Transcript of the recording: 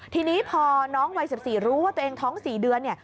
ทีนี้พอน้องวัย๑๔รู้ว่าตัวเองท้อง๔เดือนเนี่ย